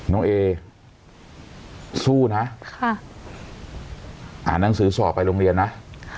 น้องเอสู้นะค่ะอ่านหนังสือสอบไปโรงเรียนนะ